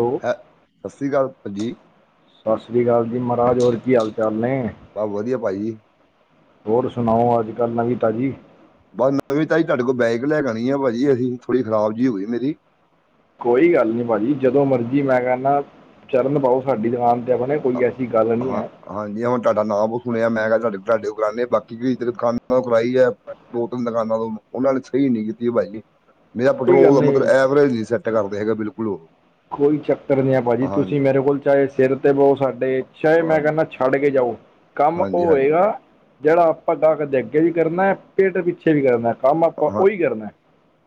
Hello ਸਸ ਸ੍ਰੀ ਕਾਲ, ਭਾਜੀ। ਸਸ ਸ੍ਰੀ ਕਾਲ ਜੀ ਮਹਾਰਾਜ, ਹੋਰ ਕੀ ਹਾਲ-ਚਾਲ ਨੇ। ਬਸ ਵਧੀਆ ਭਾਜੀ। ਹੋਰ ਸੁਣਾਓ ਅੱਜ ਕੱਲ੍ਹ ਨਵੀ-ਤਾਜੀ। ਬਸ ਮੈਂ ਵੀ ਤੁਹਾਡੇ ਕੋਲ ਬਾਈਕ ਲੈ ਕੇ ਆਉਣੀ ਆ ਭਾਜੀ ਅਸੀ ਥੋੜੀ ਖਰਾਬ ਜੀ ਹੋ ਗਈ ਮੇਰੀ। ਕੋਈ ਗੱਲ ਨੀ ਭਾਜੀ ਜਦੋਂ ਮਰਜੀ ਮੈਂ ਕਹ ਨਾ ਚਰਨ ਪਾਓ ਸਾਡੀ ਦੁਕਾਨ ਤੇ ਆਪਣੇ ਕੋਈ ਐਸੀ ਗੱਲ ਨੀ ਹਾਂ ਹੈ। ਹਾਂਜੀ ਹਣ ਤੁਹਾਡਾ ਨਾ ਸੁਣਿਆ ਮੈਂ ਕਿਹਾ ਤੁਡੇ, ਤੁਡੇ ਕੋਲ ਆਨੇ ਆ ਬਾਕੀ [unintelligible] ਕਰਵਾਈ ਹੈ ਦੋ ਤਿੰਨ ਦੁਕਾਨਾਂ ਤੋ ਉਹਨਾ ਨੇ ਸਹੀ ਨੀ ਕੀਤੀ ਭਾਈ ਜੀ। ਨੀ ਜਾ ਕੋਈ ਗੱਲ ਪੈਟਰੋਲ ਦਾ ਮਤਲਬ ਨਹੀਂ ਐਵਰੇਜ ਨੀ ਸੈੱਟ ਕਰਦੇ ਹੈਗੇ ਬਿਲਕੁਲ ਉਹ। ਕੋਈ ਚੱਕਰ ਨਹੀਂ ਹੈ ਭਾਜੀ ਹਾਂ ਹਾਂਜੀ ਤੁਸੀ ਮੇਰੇ ਕੋਲ ਚਾਹੇ ਸਿਰ ਤੇ ਬਹੋ ਸਾਡੇ ਚਾਹੇ ਮੈਂ ਹਾਂਜੀ ਕਹਿੰਦਾ ਛੱਡ ਕੇ ਜਾਓ, ਕੰਮ ਉਹ ਹਾਂਜੀ ਹੋਏਗਾ ਜਿਹੜਾ ਆਪਾ ਗਾਹਕ ਦੇ ਅੱਗੇ ਵੀ ਕਰਨਾ, ਪਿੱਠ ਪਿੱਛੇ ਵੀ ਕਰਨਾ ਕੰਮ ਆਪਾ ਹਾਂ ਉਹੀ ਕਰਨਾ।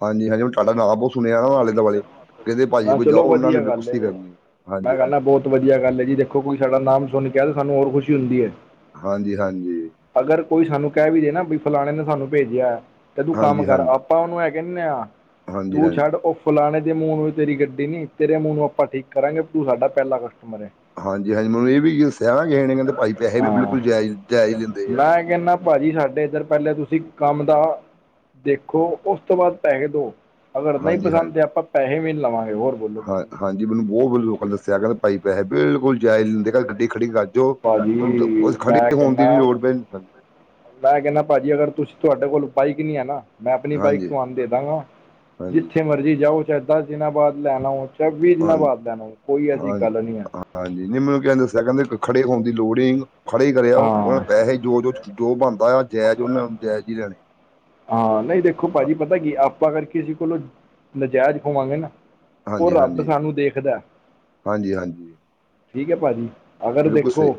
ਹਾਂਜੀ [unintelligible] ਤੁਹਾਡਾ ਨਾਂ ਬਹੁਤ ਸੁਣਿਆ ਨਾ ਆਲੇ-ਦੁਆਲੇ ਕਹਿੰਦੇ ਭਾਜੀ ਹਾਂ ਕੋਲ ਚਲੋ ਜਾਓ ਉਹਨਾ ਨੇ ਵਧੀਆ ਬਿਲਕੁਲ ਗੱਲ ਸਹੀ ਹੈ ਕਰਨੀ, ਮੈਂ ਕਹਿੰਦਾ ਹਾਂਜੀ-ਹਾਂਜੀ। ਬਹੁਤ ਵਧੀਆ ਗੱਲ ਹੈ ਜੀ ਦੇਖੋ ਕੋਈ ਸਾਡਾ ਨਾਮ ਸੁਣ ਕੇ ਆਏ ਸਾਨੂੰ ਹੋਰ ਖੁਸ਼ੀ ਹੁੰਦੀ ਹੈ। ਹਾਂਜੀ-ਹਾਂਜੀ ਅਗਰ ਕੋਈ ਸਾਨੂੰ ਕਹਿ ਵੀ ਦੇ ਨਾ ਬਈ ਫਲਾਣੇ ਨੇ ਸਾਨੂੰ ਭੇਜਿਆ ਤੇ ਤੂੰ ਕੰਮ ਹਾਂਜੀ ਕਰ ਆਪ ਆਪਾ ਉਹਨੂੰ ਇਹ ਕਹਿਨੇ ਆ ਹਾਂਜੀ ਤੂੰ ਹਾਂਜੀ ਛੱਡ ਉਹ ਫਲਾਣੇ ਦੇ ਮੂੰਹ ਨੂੰ ਤੇਰੀ ਗੱਡੀ ਨੀ ਤੇਰੇ ਮੂੰਹ ਨੂੰ ਆਪਾ ਠੀਕ ਕਰਾਂਗੇ ਤੂੰ ਸਾਡਾ ਪਹਿਲਾ ਕਸਟਮਰ ਏ। ਹਾਂਜੀ-ਹਾਂਜੀ ਮੈਨੂੰ ਇਹ ਵੀ ਦੱਸਿਆ ਕਿਸਹੇ ਨੇ ਕਹਿੰਦੇ ਭਾਈ ਪੈਸੇ ਵੀ ਹਾਂ ਬਿਲਕੁਲ ਜਾਇ ਜਾਇਜ਼ ਲਿੰਦੇ ਜੇ। ਮੈਂ ਕਹਿੰਦਾ ਭਾਜੀ ਸਾਡੇ ਇੱਧਰ ਪਹਿਲੇ ਤੁਸੀ ਕੰਮ ਦਾ ਦੇਖੋ ਉਸ ਤੋਂ ਬਾਅਦ ਪੈਹੇ ਦਿਓ। ਨਹੀ ਹਾਂਜੀ ਪਸੰਦ ਹਾਂਜੀ ਤੇ ਆਪਾ ਪੈਸੇ ਵੀ ਨੀ ਲਵਾਂਗੇ, ਹੋਰ ਬੋਲੋ ਹਾਂ ਭਾਜੀ ਹਾਂਜੀ ਮੈਨੂੰ ਬਹੁਤ ਲੋਕਾ ਨੇ ਦੱਸਿਆ ਕਹਿੰ ਭਾਈ ਪੈਹੇ ਬਿਲਕੁਲ ਜਾਇਜ਼ ਲੈਂਦੇ ਕ ਗੱਡੀ ਖੜੀ ਜੋ, ਭਾਜੀ ਖੜੇ ਮੈਂ ਹੋਣ ਦੀ ਨੀ ਕਹਿੰਦਾ ਲੋੜ ਪ [unintelligible] ਮੈਂ ਕਹਿੰਦਾ ਭਾਜੀ ਅਗਰ ਤੁਸੀ ਤੁਹਾਡੇ ਕੋਲ ਬਾਈਕ ਨੀ ਹੈ ਨਾ ਮੈਂ ਆਪਣੀ ਬਾਈਕ ਹਾਂਜੀ ਤੁਹਾਨੂੰ ਦੇਦਾਗਾ ਹਾਂਜੀ ਜਿੱਥੇ ਮਰਜ਼ੀ ਜਾਓ ਚਾਹੇ ਦਸ ਦਿਨਾ ਬਾਦ ਲੈਣ ਆਓ। ਚਹੇ ਵੀਹ ਦਿਨਾ ਹਾਂਜੀ ਬਾਦ ਲੈਣ ਆਓ, ਕੋਈ ਐਸੀ ਹਾਂ ਗੱਲ ਨੀ ਹੈ। ਹਾਂਜੀ ਨ ਮੈਨੂੰ ਕਹਿੰਦੇ ਦੱਸਿਆ ਕਹਿੰਦੇ ਖੜੇ ਹੋਣ ਦੀ ਲੋੜ ਨਹੀਂ, ਖੜੇ ਕਰਿਆ ਉਹ ਹਾਂ ਪੈਸੇ ਜੋ-ਜੋ ਜੋ ਬਣਦਾ ਆ ਜੈਜ਼ ਉਹਨੇ ਜੈਜ਼ ਹੀ ਲੈਣੇ। ਹਾਂ ਨਹੀਂ ਦੇਖੋ ਹਾਂ- ਭਾਜੀ ਪਤਾ ਕੀ ਆਪਾ ਅਗਰ ਕਿਸੇ ਕੋਲੋ ਨਜਾਇਜ਼ ਖਵਾਂਗੇ ਨਾ ਉਹ ਹਾਂਜੀ ਰੱਬ ਹਾਂਜੀ ਸਾਨੂੰ ਦੇਖਦਾ। ਹਾਂਜੀ ਹਾਂਜੀ ਠੀਕ ਹੈ ਭਾਜੀ ਅਗਰ ਬਿਲਕੁਲ ਸਹੀ ਦੇਖੋ,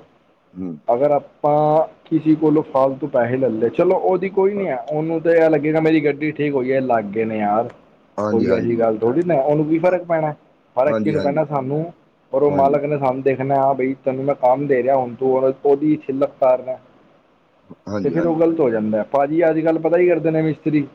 ਹਮ ਅਗਰ ਆਪ ਆਪਾ ਕਿਸੇ ਕੋਲੋਂ ਫਾਲਤੂ ਪੈਸੇ ਲੱਲੇ ਚਲੋ ਉਹਦੀ ਕੋਈ ਨੀ ਹੈ। ਤੇ ਏ ਲੱਗੇਗਾ ਮੇਰੀ ਗੱਡੀ ਠੀਕ ਹੋਈ ਹੈਲੱਗਗੇ ਨੇ ਯਾਰ ਹਾਂਜੀ ਕੋਈ ਐਸੀ ਹਾਂਜੀ ਹਾਂਜੀ ਗੱਲ ਥੋੜੀ ਉਹਨੂੰ ਕੀ ਫਰਕ ਪੈਣਾ ਫਰਕ ਕਿਨੂੰ ਪੈਣਾ ਹਾਂਜੀ ਸਾਨੂੰ ਔਰ ਉਹ ਹਾਂਜੀ ਮਾਲਕ ਨੇ ਸਾ ਦੇਖਨਾ ਹਾਂ ਬਈ ਤੈਨੂੰ ਮੈਂ ਕਾੰਮ ਦੇ ਰੇਆ, ਹੁੱਨ ਤੂ ਅਗਰ ਓਦੀ ਛਿੱਲਕ ਉਤਾਰ ਰੇਆਂ ਤੇ ਹਾਂਜੀ ਫੇਰ ਓ ਹਾਂਜੀ ਗ਼ਲਤ ਹੋ ਜਾਂਦਾ, ਭਾਜੀ, ਆੱਜ-ਕਾੱਲ ਪਤਾ ਏ ਕੀ ਕਰਦੇ ਨੇ ਮਿਸਤਰੀ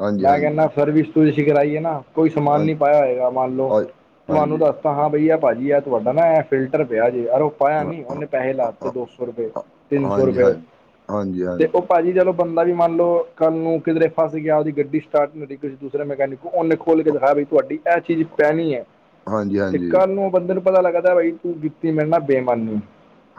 ਹਾਂਜੀ, ਮੈਂ ਹਾਂਜੀ। ਕੈਨਾਂ ਸਰਵਿਸ-ਸੁਰਵੀਸ ਕਰਾਈ ਏ ਨਾ, ਕੋਈ ਸਮਾਨ ਹਾਂ ਨੀ ਪਾਏਆ ਹੋਏਗਾ ਮਾੰਨ ਲੋ ਹਾਂ, ਤੁਆਨੂੰ ਹਾਂਜੀ। ਦਾ ਹਾਂ ਬਈ ਆ ਭਾਜੀ ਐ ਤੁਹਾਡਾ ਨਾ, ਐ ਫਿਲਟਰ ਪੇਆ ਜੇ ਅ ਐ ਹਾਂ, ਨੀ ਹਾਂ, ਓਨੇ ਪੈਹੇ ਲਾ ਹਾਂ, ਤੇ ਹਾਂ, ਦੋ ਸੋ ਰੁਪੇ, ਤਿੰਨ ਸੋ ਹਾਂਜੀ, ਰੁਪੇ ਹਾਂਜੀ। ਹਾਂਜੀ, ਤੇ ਹਾਂਜੀ। ਓ ਭਾਜੀ ਚਲੋ ਬੰਦਾ ਵੀ ਮਾੰਨ ਲੋ ਕਾੱਲ ਨੂੰ ਓ ਕਿਦਰੇ ਫਾੱਸ ਗੇਆ ਓਦੀ ਗੱਡੀ ਸਟਾਟ ਨੀ ਹੋਰੀ ਕੀਸੇ ਦੂਸਰੇ ਮੈਕੈਨੀਕ ਕੋਲ, ਓਨੇ ਖੋਲ ਕੇ ਦਿਖਾਤੀ ਤੁਹਾਡੀ ਐ ਚੀਜ ਪੈਨੀ ਏ। ਹਾਂਜੀ, ਤੇ ਹਾਂਜੀ। ਕਾੱਲ ਨੂੰ ਓ ਬੰਦੇ ਨੂੰ ਪਤਾ ਲਾਗਦਾ ਭਾਈ, ਤੂੰ ਕੀਤੀ ਮੇਰੇ ਨਾਲ ਬੇਮਾਨੀ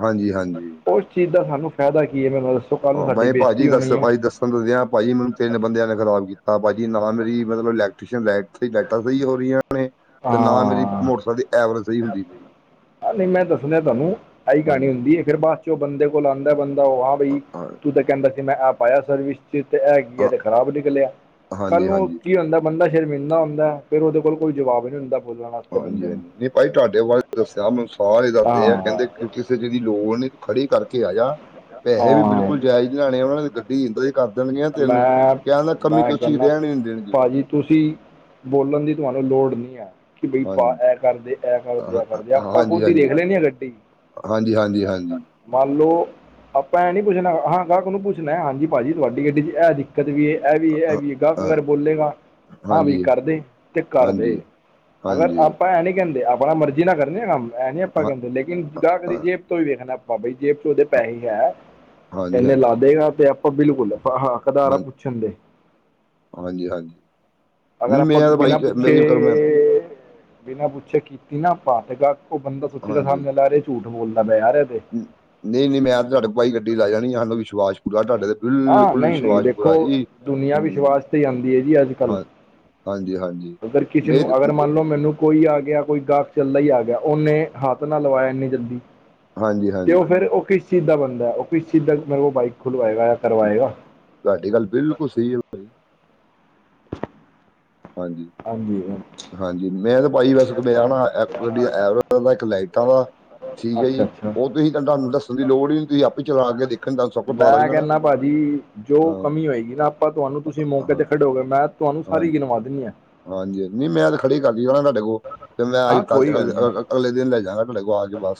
ਹਾਂਜੀ-ਹਾਂਜੀ। ਓਸ ਚੀਜ ਦਾ ਸਾਨੂੰ ਫੈਦਾ ਕੀ ਏ ਮੈਨੂੰ ਏ ਦੱਸੋ? ਕੱਲ੍ਹ ਨੂੰ ਹਾਂ, ਮੈਂ ਸਾਡੀ ਕੇਆ ਭਾਜੀ, ਬੇਇੱਜ਼ਤੀ ਹੋਣੀ ਦੱਸੋ ਹੈ ਭਾਜੀ ਦੱਸੋ। ਤੁਹਾਨੂੰ ਦੱਸੇਆ ਭਾਜੀ, ਮੈਨੂੰ ਤਿੰਨ ਬੰਦੇਆ ਨੇ ਖ਼ਰਾਬ ਕੀਤਾ, ਭਾਜੀ ਨਾ ਮੇਰੀ ਮਤਲਬ ਇਲੈਕਟਰੀਸ਼ਨ ਲੈਟ ਨਾ ਲੈਟਾ ਸਹੀ ਹੋ ਰਈਆਂ ਨੇ, ਤੇ ਨਾ ਮੇਰੀ ਹਾਂ ਮੋਟਰਸੈਕਲ ਦੀ ਐਵਰੇਜ ਸਈ ਹੂੰਦੀ ਪਈ ਏ। ਐਲੇ ਮੈਂ ਦੱਸਨਾ ਤੁਹਾਨੂੰ, ਐਈ ਕਹਾਣੀ ਹਾਂਜੀ, ਹੁੰਦੀ ਏ। ਫੇਰ ਬਾਚੋ ਓ ਬੰਦੇ ਕੋਲ ਆਂਦੈ ਬੰਦਾ ਓ ਹਾਂ ਬਈ, ਤੂੰ ਹਾਂ, ਤਾਂ ਕੈਦਾ ਸੀ ਮੈਂ ਆ ਪਾਏਆ ਸਰਵਿਸ 'ਚ ਤੇ ਤੈ ਐ ਕੀ ਐ, ਐ ਤੇ ਖਰਾਬ ਨਿਕਲੇਆ ਕਾੱਲ ਹਾਂਜੀ, ਨੂੰ ਹਾਂਜੀ। ਕੀ ਹੋਂਦਾ ਬੰਦਾ ਸ਼ਰਮਿੰਦਾ ਹੁੰਦੈ, ਫੇਰ ਓਦੇ ਕੋਲ ਕੋਈ ਜਵਾਬ ਨੀ ਹੁੰਦਾ। ਬੋਲਣ ਵਾਸਤੇ ਬੰਦੇ ਨੂੰ ਹਾਂਜੀ-ਹਾਂਜੀ, ਨੀ ਭਾਜੀ ਤੁਆਡੇ ਬਾਰੇ ਦੱਸੇਆ ਮੈਨੂੰ ਸਾਰੇ ਦਾਸਦੇ ਆ, ਹਾਂ ਕੈਦੇ ਕਿਉਂਕਿ ਤੇ ਜੇ ਏਦੀ ਲੋੜ ਨੀ ਤੂੰ ਖੜੀ ਕਾਰਕੇ ਆ ਜਾ, ਪੈਹੇ ਵੀ ਬਿਲਕੁਲ ਹਾਂ ਜੈਜ ਨੀ ਲੈਣੇ ਓਣਾ ਨੇ ਤੇ ਗੱਡੀ ਈ ਕਰ ਦੇਣਗੀਆਂ ਤੈਨੂੰ, ਮੈਂ ਕੈਣ ਡੀਆ ਕਮੀ ਪੇਸ਼ੀ ਰੈਣ ਈ ਨੀ ਦੇਣਗੇ। ਜੀ, ਤੂਸੀ ਬੋਲਨ ਦੀ ਤੁਹਾਨੂੰ ਲੋੜ ਨੀ ਐ। ਕਿ ਬਈ ਭਾਅ ਹਾਂਜੀ ਐ ਕਾਰਦੇ, ਐ ਕਾਰਦੇ, ਹਾਂ ਐ ਕਾਰਦੇ ਆਪਾਂ ਖੁਦ ਈ ਦੇਖ ਲੈਂਨੇ ਆ ਗੱਡੀ। ਹਾਂਜੀ-ਹਾਂਜੀ, ਹਾਂਜੀ। ਮੰਨ ਲੋ, ਆਪਾਂ ਐਂ ਨੀ ਪੁੱਛਨਾ ਹਾਂ। ਗਾਹਕ ਨੂੰ ਪੁੱਛਨਾ ਹਾਂਜੀ‌ ਭਾਜੀ, ਤੁਹਾਡੀ ਗੱਡੀ ਦੀ ਐ ਦਿੱਕਤ ਵੀ ਐ। ਐ ਵੀ ਏ ਐ ਹਾਂ ਵੀ ਏ ਗਾਹਕ ਹਾਂ ਅਗਰ ਬੋਲੇਗਾ, ਹਾਂਵੀ ਹਾਂਜੀ, ਕਾਰਦੇ ਤੇ ਕਾਰ ਦੇ। ਹਾਂਜੀ, ਅਗਰ ਹਾਂਜੀ ਆਪਾਂ ਐ ਨੀ ਕੈਂਦੇ- ਆਪਾ ਮਰਜ਼ੀ ਨਾ ਕਰਨੇ ਆ ਕਾੰਮ ਐ ਨੀ ਆਪਾਂ ਹਾਂ ਹਾਂ ਕੈਂਦੇ, ਲੇਕਿਨ ਗਾਹਕ ਦੀ ਹਾਂ- ਜੇਬ ਤੋਂ ਵੀ ਵੇਖਨਾ ਪ ਬਾਬਾ ਜੀ ਜੇਬ ਚ ਓਦੇ ਪੈਹੇ ਈ ਐ, ਹਾਂਜੀ, ਏਨੇ ਹਾਂਜੀ, ਲਾ ਦੇਨ ਤੇ ਆਪਾਂ ਬਿਲਕੁਲ ਹਾਂ ਹਾਕਦਾਰਾ ਹਾਂ ਪੁ- ਅਛੇ ਹੂੰਦੇ। ਹਾਂਜੀ, ਹਾਂਜੀ ਅਗਰ ਮੈਨੂੰ ਆਪਾਂ ਮੇਰਾ ਤਾਂ ਬਿਨਾਂ ਭਾਜੀ ਪੁੱਛੇ ਮੇਰੀ ਗੱਲ ਮੈਂ ਬਿਨਾਂ ਪੁੱਛੇ ਕੀਤੀ ਨਾ ਆਪਾ, ਤੇ ਅਗਾਂਹ ਓ ਬੰਦਾ ਸੋਚੇਗਾ ਹਾਂਜੀ। ਸਾਮਨੇ ਲਾਰੇ, ਝੂਠ ਬੋਲਦਾ ਪੇਆ ਯਾਰ [unintelligible] ਆ ਨਈ, ਨਈ ਵਿਸ਼ਵਾਸ ਪੂਰਾ ਦੇਖੋ, ਜੀ ਦੁਨੀਆਂ ਹਮ, ਵਿਸ਼ਵਾਸ ਤੇ ਆਂਦੀ ਏ ਜੀ ਅੱਜ-ਕੱਲ। ਹਾਂ ਹਾਂਜੀ ਹਾਂਜੀ ਅਗਰ ਕਿਸੇ ਨੂੰ ਮੇਰ ਅਗਰ ਮੰਨ ਲੋ ਮੈਨੂੰ ਕੋਈ ਆ ਗੇਆ, ਕੋਈ ਗਾਹਕ ਚੱਲਦਾ ਈ ਆ ਗੇਆ ਓਨੇ- ਹਾੱਥ ਨਾ ਲਵਾਏ ਐਨੀ ਗੰਦੀ, ਹਾਂਜੀ ਤੇ ਓ ਹਾਂਜੀ ਫੇਰ ਓ ਕਿਸ- ਸਿੱਦਾ ਬੰਦਾ, ਓ ਕਿਸ ਸਿੱਦਾ ਮੇਰੇ ਕੋ ਬਾਈਕ ਖੁਲਵਾਏਗਾ ਯਾ ਕਰਵਾਏਗਾ। ਤੁਹਾਡੀ ਗਾੱਲ ਬਿਲਕੁਲ ਸਈ ਏ ਹਾਂਜੀ। ਹਾਂਜੀ, ਹਾਂ। ਹਾਂਜੀ, ਮੈਂ ਭਾਜੀ ਵੈਸੇ ਦਦੇ ਆਣਾ ਐ ਹੋਵੇ ਕਦੇ ਐਵਰੇਜ ਦਾ, ਇੱਕ ਲਾਈਟਾਂ ਦਾ ਠੀਕ ਐ ਅੱਛਾ ਜੀ ਅੱਛਾ ਓ ਤੁਸੀਂ ਤਾਂ ਤੁਹਾਨੂੰ ਦੱਸਨ ਦੀ ਲੋੜ ਈ ਨੀ ਹੂੰਦੀ, ਤੁਸੀ ਆਪੇ ਚਲਾ ਕੇ ਦੇਖ ਮੈਂ ਕੈਨਾ ਭਾਜੀ ਜੋ ਹਾਂ ਕਮੀ ਹੋਏਗੀ ਨਾ, ਆਪਾਂ ਤੁਹਾਨੂੰ ਤੁਸੀਂ ਮੌਕੇ ਹਾਂ ਤੇ ਖੜੇ ਹੋਗੇ ਮੈਂ ਤੁਹਾਨੂੰ ਸਾਰੀ ਗਿਨਵਾ ਦੇਨੀ ਆ। ਹਾਂਜੀ-ਹਾਂਜੀ, ਨੀ ਮੈਂ ਤੇ ਖੜੀ ਕਰਕੇ ਜਾਣਾ ਤੁਹਾਡੇ ਕੋਲ਼ ਫੇਰ ਮੈਂ ਹਾਂ ਅੱਜ-ਕੱਲ ਕੋਈ ਗੱਲ ਨਹੀਂ ਅਗਲੇ ਗ, ਗ ਦਿਨ ਲੈ ਜਾਂਗਾ।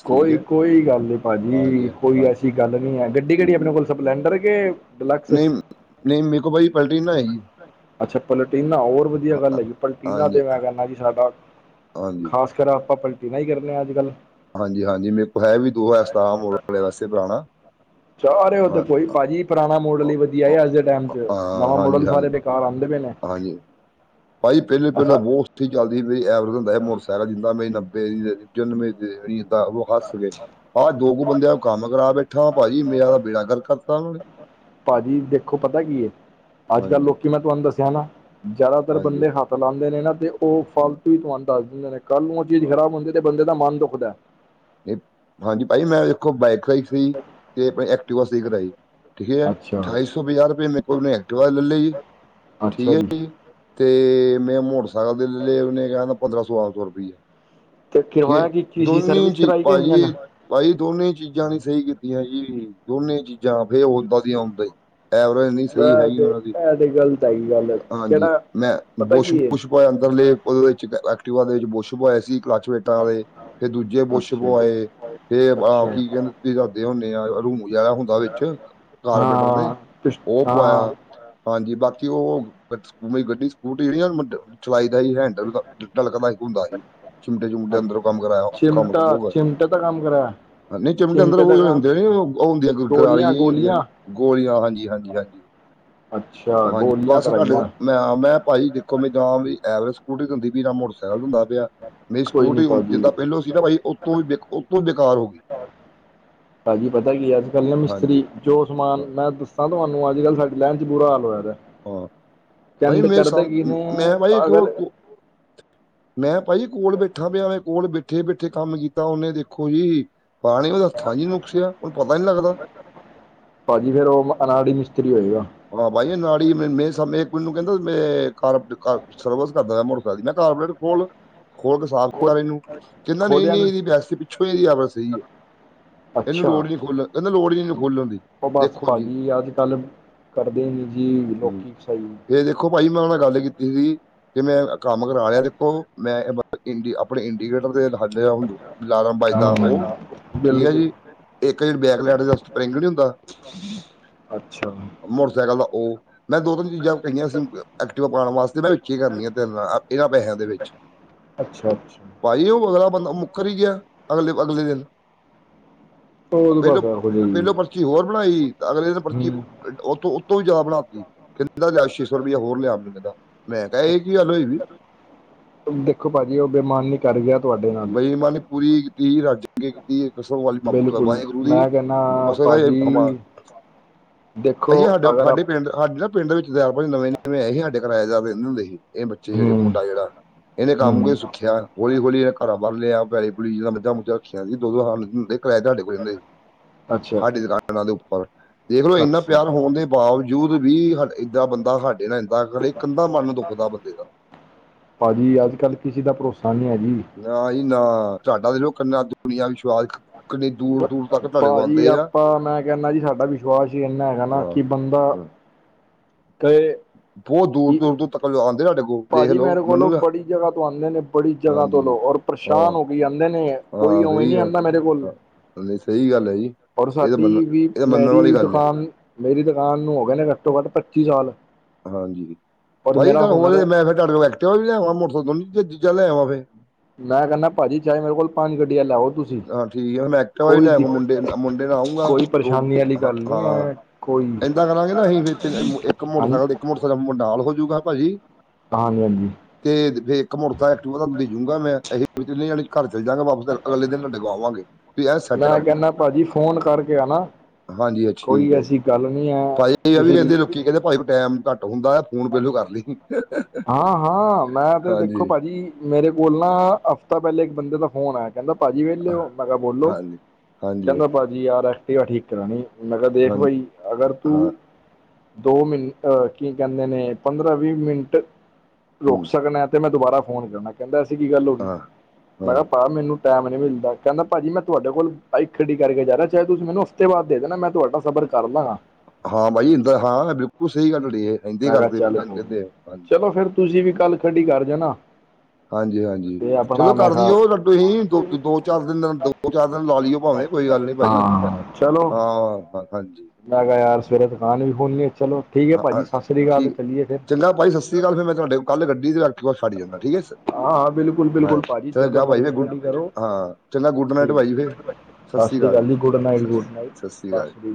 ਕੋਈ, ਕੋਈ ਗਾੱਲ ਨੀ ਹਾਂਜੀ, ਭਾਜੀ, ਕੋਈ ਹਾਂਜੀ, ਐਸੀ ਗੱਲ ਨਈ ਐ। ਗੱਡੀ ਕੇੜੀ ਅਪਨੇ ਹੂੰ, ਕੋਲ ਸਪਲੈਂਡਰ ਕੇ ਡਿਲਕਸ ਨਹੀਂ ਨਹੀਂ ਮੇਰੇ ਕੋ ਬਾਈ ਅੱਛਾ ਪਲਟੀਨਾ ਹੋਰ ਵਧੀਆ ਗੱਲ ਹਾਂ, ਹੈ ਜੀ ਪਲਟੀਨਾ ਹਾਂਜੀ, ਤੇ ਮੈਂ ਕਹਣਾ ਜੀ ਸਾਡਾ ਹਾਂਜੀ ਖਾਸ ਕਰ ਆਪਾਂ ਪਲਟੀ ਨਾ ਹੀ ਕਰੇ ਹਾਂ ਅੱਜ ਕੱਲ੍ਹ ਹਾਂਜੀ ਹਾਂਜੀ ਮੇਰੇ ਕੋਲ ਹੈ ਵੀ ਦੋ ਇਸ ਤ ਮੋ ਵਾਲੇ ਵਾਸੇ ਪੁਰਾਉਣਾ। ਚਾਰੇ ਉਹ ਤੇ ਕੋਈ ਭਾਜੀ ਪੁਰਾਣਾ ਮੋਡਲ ਹੀ ਵਧੀਆ ਅੱਜ ਦੇ ਟਾਈਮ ਚ ਹਾਂ, ਨਵਾਂ ਹਾਂਜੀ, ਮੋਡਲ ਹਾਂਜੀ, ਸਾਰੇਖ ਘ ਆੰਦੇ ਪੈ ਨੇ ਹਾਂਜੀ ਭਾਈ ਪਹਿਲਲੇ ਪਹਿਲਾਂ ਐਸਾ ਬਹੁ ਚੱਲਦੀ ਮੇਰੀ ਐਵਰੇਜ ਹੁੰਦਾ ਸੀ ਮੋਟਰਸਾਈਕਲ ਜਿੰਦਾ ਮੇ ਨੱਬੇ ਜਨਮੇ ਦੀਣੀ ਉਹ ਹੱਸ ਗਏ ਆਹ ਦੋ ਕੁ ਬੰਦਿਆਂ ਕੰਮ ਕਰਾ ਬੈਠਾ ਭਾਜੀ ਮੈਂਆਦਾ ਬੇੜਾ ਗਰ ਕਰਤਾ ਉਹਨਾਂ ਨੇ ਭਾਜੀ ਦੇਖੋ ਪਤਾ ਕੀ ਹੈ ਅੱਜ ਕੱਲ ਹਾਂਜੀ, ਲੋਕੀ ਮਤ ਤੁਹਾਨੂੰ ਦੱਸਿਆ ਨਾ ਜਿਆਦਾਤਰ ਬੰਦੇ ਹਾਂਜੀ, ਹੱਥ ਲਾਉਂਦੇ ਨੇ ਨਾ ਤੇ ਉਹ ਹਾਂ, ਫਾਲਤੂ ਵੀ ਤੁਹਾਨੂੰ ਦੱਸ ਦਿੰਦੇ ਨੇ ਕੱਲ੍ਹ ਨੂੰ ਉਹ ਚੀਜ਼ ਹਾਂ। ਖਰਾਬ ਹੁੰਦੀ ਤੇ ਬੰ ਦਾ ਮਨ ਦੁਖਦਾ ਹੈ। ਹਾਂਜੀ ਭਾ ਮੈਂ ਦੇਖੋ ਬਾਈਕ ਕਰਾਈਕ ਸੀਹੀ ਤੇ ਆਪਣੇ ਐਕਟਵਾਸ ਕਰਾਈ। ਠੀਕ ਹੈ ਅੱਛਾ ਅਠਾਈ ਸੌ ਪੰਜਾਹ ਰੁਪਏ ਮੇ ਕੋਲਨ ਐਕਟਵਾ ਲੈ ਲ ਜੀ ਠੀਕ ਹੈ ਜੀ। ਤੇ ਮੈਂ ਮੋਟਰਸਾਈਕਲ ਦੇ ਲੈ ਲਏ ਉਹਨੇ ਕਹਿੰਦਾ ਪੰਦਰਾਂ ਸੌ ਬਾਰਾਂ ਸੌ ਰੁਪਈਆ ਤੇ ਠੀਕ ਹੈ ਕਰਵਾਇਆ ਕੀ ਕੀ ਦੋ ਸੀ ਸਰਵਿਸ ਚ ਕਰਾਈ ਕਿ ਭ ਇੰਜਨ ਜੀ। ਭਾਈ ਦੋਨੇ ਚੀਜ਼ਾਂ ਨੀ ਸਹੀ ਕੀਤੀਆਂ ਜੀ ਦੋਨੇ ਚੀਜ਼ਾਂ ਫੇ ਆਦਾ ਸੀ ਆਉਂਦਾ। ਐਵਰੇਜਨੀ ਸਹੀ ਹੈਗੀ ਤੇ ਉਹਨਾਂ ਦੀ ਇਹ ਤੇ ਗਲਤ ਹੈਗੀ ਗੱਲ ਹਾਂਜੀ ਕਿਹੜਾ ਮੈਂ ਪਤਾ ਬੁਸ਼ ਕੀ ਹੈ ਬਸ਼ ਏ ਅੰਦਰਲੇ ਉਹਦੇ ਵਿੱਚ ਐਕਟਿਵਾ ਦੇ ਵਿੱਚ ਬੋਸ਼ ਹੋਏ ਸੀ ਕਲੱਚ ਵਿੱਚ - ਤੇ ਫੇਰ ਦੂਜੇ ਬੁੱਛ ਅੱਛਾ ਜੀ ਪੁਆਏ ਫੇਰ ਆਹ ਅੱਛਾ ਕੀ ਕਹਿੰਦੇ ਦੱਸਦੇ ਹੁੰਦੇ ਆ ਰੂਮ ਜਿਹੜਾ ਹੁੰਦਾ ਵਿੱਚ ਕਾਰਪੈਂਟਰ ਦੇ ਹਾਂ ਪਿਸ- ਉਹ ਹਾਂ ਪਵਾਇਆ। ਹਾਂਜੀ ਬਾਕੀ ਉਹ ਗੱਡੀ ਸਕੂਟੀ ਜਿਹੜੀ ਚਲਾਈ ਦਾ ਹੀ ਹੈਂਡਲ ਢਲਕਦਾ ਹੀ ਹੁੰਦਾ ਸੀ। ਮੁੰਡੇ ਚੰਡੇ ਅ- ਅੰਦਰੋਂ ਕੰਮ ਕਰਾਇਆ ਕੰਮ ਚਿਮਟਾ ਬਹੁਤ ਚਿਮਟੇ ਦਾ ਕੰਮ ਕਰਾਇਆ - ਚਿਮਟੇ ਅੰਦਰ ਉਹ ਦਾ ਜਿਹੜੇ ਕੰਮ ਹੁੰਦੇ ਉਹ ਹੁੰਦੀਆਂ ਗੋਲੀਆਂ ਗਰਾਲੀਆਂ ਜ ਹੁੰਦੀਆਂ ਗੋਲੀਆਂ ਗੋਲੀਆਂ ਹਾਂਜੀ ਹਾਂਜੀ ਹਾਂਜੀ ਅੱਛਾ ਉਹ ਹਾਂਜੀ ਗੋਲੀਆਂ ਬਸ ਤੁਹਾਡੇ ਕਰਾਈਆਂ ਮੈਂ ਮੈਂ ਭਾਈ ਦੇਖੋ ਮੈਂ ਜਾ ਵੀ ਐਵਰੇਜ ਸਕੂਟੀ ਹੁੰਦੀ ਪਈ ਨਾ ਮੋਟਰਸਾਈਕਲ ਚ ਹੁੰਦਾ ਪਿਆ। ਨਹੀਂਰੀ ਕੋਈ ਸਕੂਟ ਨੀ ਭਾਜੀ ਜਿੱਦਾਂ ਪਹਿਲੋਂ ਸੀ ਨਾ ਬਾਈ ਉਤੋਂ ਵੀ ਬੇ ਉਤੋਂ ਬੇਕਾਰ ਹੋ ਗਈ। ਹਾਜੀ ਪਤਾ ਕੀ ਅੱਜ ਕੱਲ੍ਹ ਨਾ ਹਾਂਜੀ ਮਿਸਤਰੀ ਜੋ ਸਮਾਨ ਹਾਂ। ਮੈਂ ਦੱਸਾਂ ਤੁਹਾਨੂੰ ਅੱਜ ਕੱਲ੍ਹ ਸਾਡੇ ਲੈ ਬੁਰਾ ਹਾਲ ਹੋਇਆਦਾ ਹਾਂ ਭਾਈ ਚੰਡ ਮੈਂ ਸ ਕਰਦੇ ਕਿਨ ਮੈਂ ਭਾਈ ਅਗਰ ਦੇਖੋ ਮੈਂ ਭ ਜੀ ਕੋਲ ਬੈਠਾ ਪਿਆੇ ਕੋਲ ਬੈਠੇ ਬੈਠੇ ਕੰਮ ਕੀਤਾ ਉਹਨੇ ਦੇਖੋ ਜੀ। ਪਾਣੀ ਉਹਦੇ ਹੱਥਾਂ ਹੀ ਨੁਕਸਿਆ ਹੁਣ ਪਤਾ ਨੀ ਲੱਗਦਾ। ਭਾਜੀ ਫੇਰ ਉਹ ਅਨਾੜੀ ਮਿਸਤਰੀ ਹੋਏਗਾ। ਹਾਂ ਬਾਈ ਨਾਲ ਹੀ ਮ ਮੈਨੂੰ ਕਹਿੰਦਾ ਮੈਂ ਘਰ ਸਰਵਿਸ ਕਰਦਾ ਹੋ ਮੋਟਰਸਾਈਕ ਦੀ ਮੈਂ ਕਾਰਪੋਰੇਟ ਕੋਲ ਖੋਰਕ ਸਾਫ਼ ਖੋ ਕਰ ਇਹਨੂੰ ਕਹਿੰਦਾ ਨਹੀਂ ਖੋਲਿਆ ਨਹੀਂ ਨੀ ਇਹਦੀ ਵੈਸੇ ਪਿੱਛੋਂ ਇਹਦੀ ਆਵਾਜ਼ ਸਹੀ ਹੈ। ਇਹਨੂੰ ਅੱਛਾ ਲੋੜ ਨੀ ਖੋਲਣ ਇਹਨੂੰ ਲੋੜ ਨੀ ਖੋਲਣ ਦੀ ਉਹ ਬਸ ਦੇਖੋ ਜੀ। ਭਾਜੀ ਅੱਜ ਕੱਲ੍ਹ ਕਰਦੇ ਨੀ ਜੀ ਲੋਕੀ ਸਹੀ ਫੇਰ ਦੇਖੋ ਭਾਜੀ ਮੈਂ ਉਹ ਨਾਲ ਗੱਲ ਕੀਤੀ ਸੀ ਕਿ ਮੈਂ ਕੰਮ ਕਰਾ ਲਿਆ ਤੇ ਮੈਂ ਇੰ ਆਪਣੇ ਇੰਡੀਕੇਟਰ ਤੇ ਲ ਲ ਲ ਏਦਾਂ ਉਹ ਠੀਕ ਹੈ ਬਿਲਕੁਲ ਜੀ ਇੱਕ ਜਿਹੜੀ ਬੈਕ ਲੈਟ ਦਾ ਸਪਰਿੰਗ ਨੀ ਹੁੰਦਾ ਅੱਛਾ ਮੋਟਰਸਾਈਕਲ ਦਾ ਉਹ। ਮੈਂ ਦੋ ਤਿੰਨ ਚੀਜ਼ਾਂ ਕਹੀਆਂ ਸੀ ਐਕਟਿਵਾ ਪਾਉਣ ਵਾਸਤੇ ਮੈਂ ਵਿੱਚੇ ਹੀ ਕਰਨੀੀਆਂ ਇਹਨਾਂ ਪੈਸਿਆਂ ਦੇ ਵਿੱਚ ਅੱਛਾ ਅੱਛਾ ਭਾਈ ਉਹ ਅਗਲਾ ਬੰਦਾ ਮੁੱਕਰ ਹੀ ਗਿਆ ਅਗਲੇ ਅਗਲੇ ਦਿਨ ਉਹ ਪਹਿਲੋਂ ਬਸ ਜਿਹੇ ਹੀ ਪਹਿਲੋਂ ਪਰਚੀ ਹੋਰ ਬਣਾਈ ਅਗਲੇ ਦਿਨ ਪਰਚੀ ਹੂੰ ਉੱਥੋਂ ਉੱਤੋਂ ਵੀ ਜ਼ਿਆਦਾ ਬਣਾ ਤ ਕਿਹਿੰਦਾ ਜਾ ਛੇ ਸੌ ਰੁਪਇਆ ਹੋਰ ਲਿਆ ਨੂੰ ਕਹਿੰਦਾ ਮੈਂ ਕਿਹਾ ਇਹ ਚੀ ਅੱਛਾ ਗੱਲ ਹੋਈ ਵੀ। ਦੇਖੋ ਭਾਜੀ ਉਹ ਬੇਈਮਾਨੀ ਕਰ ਗਿਆ ਤੁਹਾਡੇ ਨਾਲ ਮਾਂ ਨੇ ਪੂਰੀ ਕੀ ਰਾਜ ਕੀਤੀ ਕਸਮ ਵਾਲੀ ਬਿਲਕੁਲ ਵਾਹਿਗੁਰੂ ਦੀ ਮੈਂ ਕਹਿੰਦਾ ਭਾਜੀ [unintelligible] ਦੇਖੋ ਅਜੀ ਸਾਡਾ ਅਗਰ ਸਾਡੇ ਆਪ ਪਿੰਡ ਸਾਡੇ ਨਾ ਪਿੰਡ ਵਿੱਚ ਦਰਾਰਾ ਨਵੇਂ-ਨਵੇਂ ਆਏ ਸੀ, ਸਾਡੇ ਕਿਰਾਏਦਾਰ ਰਹਿੰਦੇ ਹੁੰਦੇ ਸੀ ਇਹ ਬੱਚੇ ਜਿਹੜੇ ਹੂੰ ਮੁੰਡਾ ਜਿਹੜਾ ਇਹਨੇ ਕੰਮ ਕੋਈ ਹੂੰ ਸੱਖਿਆ ਹੌਲੀ-ਹੌਲੀ ਇਹਨਾਂ ਘੜਾ ਬੰਨ ਲਿਆ, ਬੈਲੀ ਬੂਲੀ ਜਦ ਮਿੱਧਾਂ ਮੱਝ ਰੱਖੀਆਂ ਸੀ। ਦੋ ਦੋ ਸੁੰ ਕਿਰਾਏ ਤੁਹਾਡੇ ਕ ਅੱਛਾ ਸਾਡੀ ਦੁਕਾਨਾਂ ਦੇ ਉੱਪਰ, ਦੇਖਲੋ ਇੰਨਾ ਅੱਛਾ ਪਿਆਰ ਹੋਣ ਦੇ ਬਾਵਜੂਦ ਵੀ ਏਦਾਂ ਬੰਦਾ ਸਾਡੇ ਨਾਲ ਇੱਦਾਂ ਕਰੇ ਕੰਧਦਾ ਮਨ ਦੁਖਦਾ ਬੰਦੇ ਦਾ। ਭਾਜੀ, ਅੱਜ-ਕੱਲ੍ਹ ਕਿਸੇ ਦਾ ਭਰੋਸਾ ਨੀ ਏ ਜੀ। ਨਾ ਜੀ ਨਾ, ਤੁਹਾਡਾ ਦੇਖ ਕਿੰਨਾ ਦੁਨੀਆ ਵਿਸ਼ਵਾਸ ਕਿੰਨੀ ਦੂਰ ਦੂਰ ਤੱਕ ਤੁਹਾਡੇ ਕੋਲ ਭਾਜੀ ਆਉਂਦੇ ਆ ਆਪਾਂ ਮੈਂ ਕਹਿੰਣਾ ਜੀ ਸਾਡਾ ਵਿਸ਼ਵਾਸ ਹੀ ਇੰਨਾ ਹੈਗਾ ਨਾ ਹਾਂ ਕਿ ਬੰਦਾ ਹਾਂ ਕਏ ਬਹੁਤ ਦੂਰ-ਦੂਰ-ਦੂਰ ਤੱਕ ਲੋਕ ਆਂਦੇ ਤੁਹਾਡੇ ਕੋਲ ਦੇਖ ਭਾਜੀ ਲਓ ਮੇਰੇ ਕੋਲ ਮੈਨੂੰ ਨਾ ਬੜੀ ਜਗ੍ਹਾ ਤੋਂ ਆਂਦੇ ਨੇ, ਬੜੀ ਜਗ੍ਹਾ ਤੋਂ ਹਾਂਜੀ ਲੋਗ ਔਰ ਹਾਂ ਪਰੇਸ਼ਾਨ ਹੋ ਕੇ ਹੀ ਏ ਆਂਦੇ ਨੇ। ਕੋਈ ਹਾਂ ਉਵੇਂ ਸਹੀ ਨਹੀਂ ਆ ਆਂਦਾ ਮੇਰੇ ਕੋਲ ਹਾਂ, ਨਹੀਂ ਸਹੀ ਗੱਲ ਹੈ ਜੀ ਔਰ ਇਹ ਤਾਂ ਮੰਨ ਸਾਡੀ ਵੀ ਇਹ ਤਾਂ ਮੰਨਣ ਮੇਰੀ ਵਾਲੀ ਗੱਲ ਆ ਦੁਕਾਨ ਮੇਰੀ ਦੁਕਾਨ ਨੂੰ ਹੋ ਗਏ ਨੇ ਘੱਟੋ-ਘੱਟ ਪੱਚੀ ਸਾਲ ਹਾਂਜੀ, ਔਰ ਭਾਈ ਜੀ ਇੱਕ ਮੇਰਾ ਗੱਲ ਹੁਨਰ ਹੋਰ ਮੈਂ ਫਿਰ ਤੁਹਾਡੇ ਕੋਲ ਐਕਟਿਵਾ ਵੀ ਲਿਆਵਾਂ, ਮੋਟਰਸਾਈਕ ਦੋਨੋਂ ਚੀਜ਼ਾਂ ਲੈਵਾਂ ਫਿਰ ਮੈਂ ਕਹਿੰਦਾ ਭਾਜੀ ਚਾਹੇ ਮੇਰੇ ਕੋਲ ਪੰਜ ਗੱਡੀਆਂ ਲੈਓ। ਤੁਸੀਂ ਹਾਂ ਠੀਕ ਆ ਮੈਂ ਐਕਟਵਾ ਵੀ ਕੋਈ ਦਿ ਲੈਂਗਾ, ਮੁੰਡੇ ਮੁੰਡੇ ਨਾਲ ਆਊਂਗਾ ਕੋਈ ਦੋ ਪਰੇਸ਼ਾਨੀ ਵਾਲੀ ਹ ਗੱਲ ਨਹੀਂ ਹਾਂ। ਹੈ ਕੋਈ ਏਦਾਂ ਕਰਾਂਗੇ ਨਾ ਅਸੀਂ ਫਿਰ ਇੱਕ ਹਾਂਜੀ ਮੋਟਰਸਾਈਕਲ, ਇੱਕ ਮੋਟਰਸਾਈਕਲ ਮੁੰਡਾ ਨਾਲ ਹੋਜੂਗਾ ਭਾਜੀ ਹਾਂਜੀ-ਹਾਂਜੀ। ਤੇ ਫੇਰ ਇੱਕ ਮੋਟਰਸਾਈਕਲ ਐਕਟੀਵਾ ਦੇਜਊਗਾ ਮੈਂ ਏਹੀ ਤਿੰਨੇ ਜਾਣੀ ਘਰ ਚੱਲ ਜਾਗਾ ਵਾਪਸ ਅਗਲੇ ਦਿਨ। ਤੁਹਾਡੇ ਕੋਲ ਆਵਾਂਗੇ ਵੀ ਇਹ ਸੈੱਟ ਮੈਂ ਕਰਦੀਓ। ਕਹਿੰਦਾ ਭਾਜੀ ਫੋਨ ਕਰਕੇ ਆਣਾ ਹਾਂਜੀ ਕੋਈ ਠੀਕ ਐ ਜੀ ਐਸੀ ਗੱਲ ਨਹੀਂ ਹੈ ਭਾਈ ਇਹ ਵੀ ਤੁਸੀਂ ਕਹਿੰਦੇ ਲੋਕੀ ਕਹਿੰਦੇ ਭਾਈ। ਟੈਮ ਘੱਟ ਹੁੰਦਾ ਆ, ਫੋਨ ਪੇਲੋ ਕਰ ਲਈ। ਹਾਂ-ਹਾਂ ਮੈਂ ਤੇ ਦੇਖੋ ਹਾਂਜੀ ਭਾਜੀ, ਮੇਰੇ ਕੋਲ ਨਾ ਹਫ਼ਤਾ ਪਹਿਲੇ ਇੱਕ ਬੰਦੇ ਦਾ ਫੋਨ ਆਇਆ ਕਹਿੰਦਾ ਭਾਜੀ ਵੇਲੇ ਓ, ਮੈਂ ਕਿਹਾ ਬੋਲੋ ਹਾਂਜੀ ਹਾਂਜੀ ਕਹਿੰਦਾ ਭਾਜੀ ਯਾਰ ਐਕਟੀਵਾ ਠੀਕ ਕਰਾਣੀ ਮੈਂ ਕਿਹਾ ਦੇਖ ਹਾਂ ਬਾਈ ਅਗਰ ਹਾਂ ਤੂੰ ਦੋ ਮਿੰ ਅਹ ਕੀ ਕਹਿੰਦੇ ਨੇ ਪੰਦਰਾਂ ਵੀਹ ਮਿੰਟ ਰੁਕ ਹੂੰ, ਸਕਦੇ ਤੇ ਮੈਂ ਦੁਬਾਰਾ ਫੋਨ ਕਰਨਾ ਕਹਿੰਦਾ, ਐਸੀ ਕੀ ਗੱਲ ਹੋ ਗਈ ਹਾਂ ਮੈਂ ਕਿਹਾ ਹਾਂ ਭ ਮੈਨੂੰ ਟਾਈਮ ਨੀ ਮਿਲਦਾ। ਕਹਿੰਦਾ ਭਾਜੀ ਮੈਂ ਤੁਹਾਡ ਕੋਲ ਬਾਈਕ ਖੱਡੀ ਕਰਕੇ ਜਾ ਰਿਹਾ, ਚਾਹੇ ਤੁਸੀਂ ਮੈਨੂੰ ਹਫਤੇ ਬਾਅਦ ਦੇ ਨਾ ਮੈਂ ਤੁਹਾਡਾ ਸਫ਼ਰ ਕਰਦਾ ਆ। ਹਾਂ ਬਾਈ ਇੰਦਾ, ਹਾਂ ਬਿਲਕੁਲ ਸਹੀ ਗੱਲ ਐ। ਮੈਂ ਕਿਹਾ ਚੱਲ, ਚਲੋ ਫੇਰ ਤੁਸੀਂ ਵੀ ਕੱਲ ਖੱਡੀ ਕਰ ਜਾਣਾ। ਹਾਂਜੀ-ਹਾਂਜੀ। ਤੇ ਆਪਣਾ ਚਲੋ ਮੈਂ ਕਿਹਾ ਕਰਦੀਓ ਲੱਡੋ ਤੁਸੀਂ ਦੋ -ਦੋ, ਚਾਰ ਦਿਨ ਦੋ ਚਾਰ ਦਿਨ ਲਾ ਲਿਓ ਭਾਵੇਂ ਕੋਈ ਗੱਲ ਨੀ ਭਾਜੀ। ਹਾਂ ਚਲੋ ਹਾਂ ਹਾਂਜੀ। ਮੈਂ ਕਿਹਾ ਯਾਰ ਸਵੇਰੇ ਦੁਕਾਨ ਵੀ ਖੋਲਣੀ ਐ ਚਲੋ। ਠੀਕ ਹੈ ਭਾਜੀ ਹ ਸਤਿ ਸ੍ਰੀ ਅਕਾਲ ਠੀਕ ਚੱਲੀਏ ਫਿਰ ਚੰਗਾ ਭਾਈ ਸਤਿ ਸ੍ਰੀ ਅਕਾਲ ਫਿਰ ਮੈਂ ਤੁਹਾਡੇ ਕੱਲ ਗੱਡੀ ਤੇ ਐਕਟੀਵਾ ਛੱਡ ਜਾਂਦਾ ਠੀਕ ਐ। ਹਾਂ ਹਾਂ ਬਿਲਕੁਲ ਹ ਬਿਲਕੁਲ ਭਾਜੀ ਚ ਜਦੋਂ ਬਾਈ ਮਰਜ਼ੀ ਗੁੱਡ ਖੜੀ ਕਰੋ ਹਾਂ ਚੰਗਾ ਗੁੱਡ ਨਾਈਟ ਠੀਕ ਬਾਈ ਫਿਰ। ਸਤਿ ਸ਼੍ਰੀ ਸ੍ਰੀ ਅਕਾਲ ਜੀ, ਗੁੱਡ ਨਾਈਟ ਸਤਿ ਗੁੱਡ ਨਾਈਟ ਸਤਿ ਸ਼੍ਰੀ ਸਤਿ ਅਕਾਲ ਜੀ। ਸ੍ਰੀ